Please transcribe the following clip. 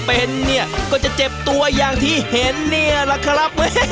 ถ้าหมดจ้าลี่ก็จะเจ็บตัวอย่างที่เห็นล่ะค่ะ